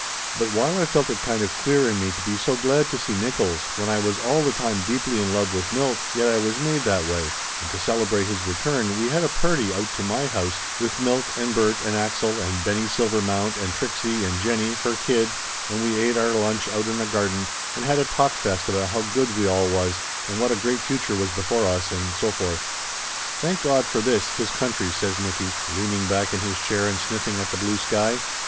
But while I felt it kind of queer in me to be so glad to see Nickolls when I was all the time deeply in love with Milt, yet I was made that way, and to celebrate his return we had a party out to my house with Milt and Bert and Axel and Benny Silvermount and Trixie and Jennie, her kid, and we ate our lunch out in the garden, and had a talk fest about how good we all was, and what a great future was before us and so forth. "Thank God for this, his country!" says Nicky, leaning back in his chair and sniffing at the blue sky.